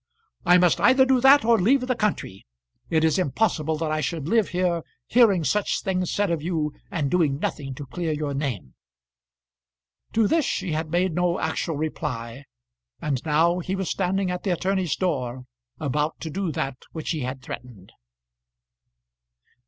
"I must either do that or leave the country. It is impossible that I should live here, hearing such things said of you, and doing nothing to clear your name." To this she had made no actual reply, and now he was standing at the attorney's door about to do that which he had threatened.